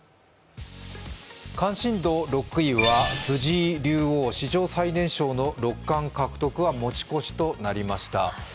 関心度６位は藤井竜王、史上最年少の六冠獲得は持ち越しとなりました。